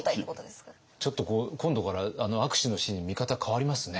ちょっと今度からあの握手のシーンの見方変わりますね。